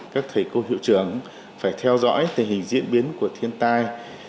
các thầy cô hiệu trưởng phải theo dõi tình hình diễn biến của thiên tai